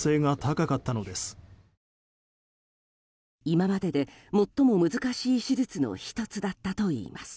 今までで最も難しい手術の１つだったといいます。